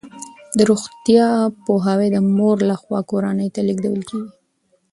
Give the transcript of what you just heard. د روغتیا پوهاوی د مور لخوا کورنۍ ته لیږدول کیږي.